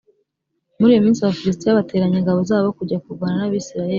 muri iyo minsi abafilisitiya bateranya ingabo zabo kujya kurwana n’abisirayeli